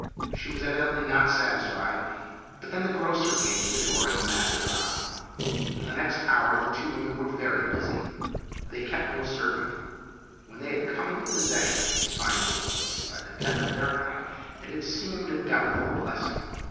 She was evidently not satisfied, but then the grocer came to the door and the matter dropped. For the next hour the two women were very busy. They kept no servant. When they had come into possession of this fine old place by the death of their aunt it had seemed a doubtful blessing.